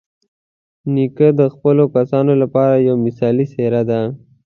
نیکه د خپلو کسانو لپاره یوه مثالي څېره ده.